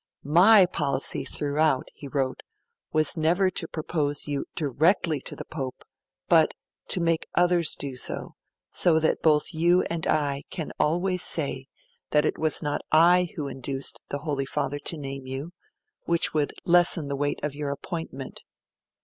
'MY policy throughout,' he wrote, 'was never to propose you DIRECTLY to the Pope, but, to make others do so, so that both you and I can always say that it was not I who induced the Holy Father to name you which would lessen the weight of your appointment.